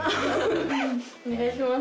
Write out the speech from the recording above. お願いします。